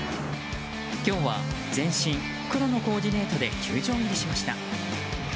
今日は全身黒のコーディネートで会場入りしました。